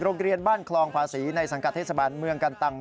โรงเรียนบ้านคลองภาษีในสังกัดเทศบาลเมืองกันตัง